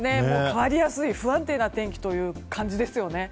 変わりやすい不安定な天気という感じですよね。